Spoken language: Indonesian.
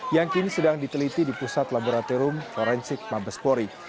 yang kini sedang diteliti di pusat laboratorium forensik mabespori